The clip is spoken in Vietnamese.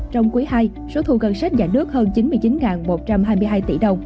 trong quý ii số thu ngân sách nhà nước hơn chín mươi chín một trăm hai mươi hai tỷ đồng